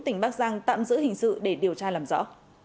tỉnh bắc giang tạm giữ hình sự để điều tra làm rõ